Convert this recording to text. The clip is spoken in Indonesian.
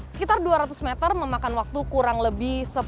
sekitar dua ratus meter memakan waktu kurang lebih